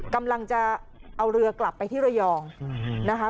กำลังจะเอาเรือกลับไปที่ระยองนะคะ